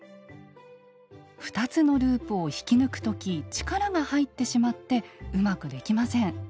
２つのループを引き抜く時力が入ってしまってうまくできません。